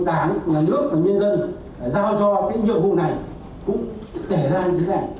tuy vậy chúng tôi cũng thấy rõ được cái trách nhiệm của mình được đáng nhà nước và nhân dân giao cho cái nhiệm vụ này cũng đề ra như thế này